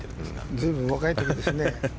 随分若い時ですね。